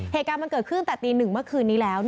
เหตุการณ์มันเกิดขึ้นแต่ตี๑เมื่อคืนนี้แล้ว